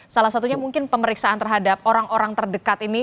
salah satunya mungkin pemeriksaan terhadap orang orang terdekat ini